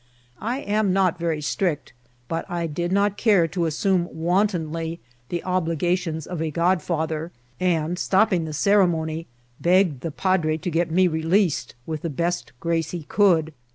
I am not very strict, but I did not care to assume wantonly the obligations of a god* father ; and, stopping the ceremony, begged the padre to get me released with the best grace he could.